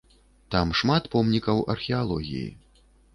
Там шмат помнікаў археалогіі.